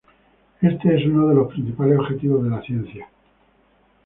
Este es uno de los principales objetivos de la ciencia.